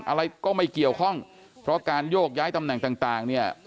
อะไรก็ไม่เกี่ยวข้องเพราะการโยกย้ายตำแหน่งต่างเนี่ย